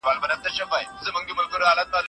مخکې، موږ د شتمنیو د تنوع په اړه خبرې کولې.